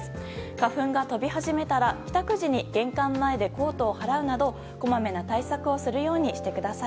花粉が飛び始めたら、帰宅時に玄関前でコートをはらうなどこまめな対策をするようにしてください。